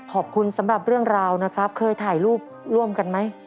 ขอบคุณสำหรับเรื่องราวนะครับเคยถ่ายรูปร่วมกันไหม